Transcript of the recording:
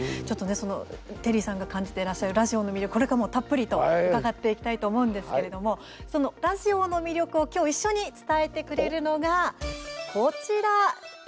ちょっとテリーさんが感じてらっしゃるラジオの魅力をこれからもたっぷりと伺っていきたいと思うんですけれどもそのラジオの魅力をきょう一緒に伝えてくれるのがこちら。